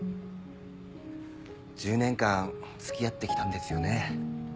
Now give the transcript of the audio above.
１０年間付き合って来たんですよね？